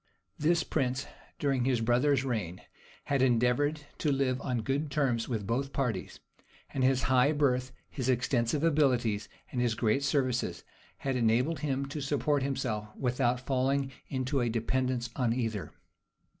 This prince, during his brother's reign, had endeavored to live on good terms with both parties; and his high birth, his extensive abilities, and his great services, had enabled him to support himself without falling into a dependence on either.